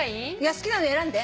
好きなの選んで。